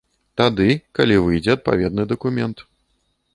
Тады, калі выйдзе адпаведны дакумент.